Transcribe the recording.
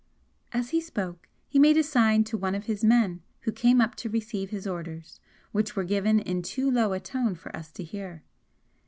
As he spoke he made a sign to one of his men who came up to receive his orders, which were given in too low a tone for us to hear.